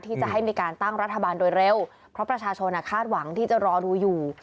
ที่จะให้มีการตั้งรัฐบาลโดยเร็วเพราะประชาชนคาดหวังที่จะรอดูอยู่